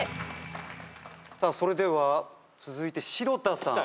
さあそれでは続いて城田さん。